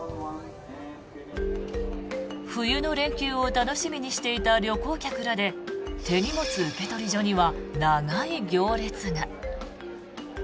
冬の連休を楽しみにしていた旅行客らで手荷物受取所には長い行列が。